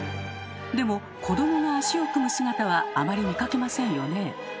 でも子どもが足を組む姿はあまり見かけませんよね。